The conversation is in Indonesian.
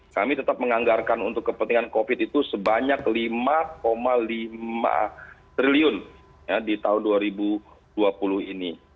kami tetap menganggarkan untuk kepentingan covid itu sebanyak lima lima triliun di tahun dua ribu dua puluh ini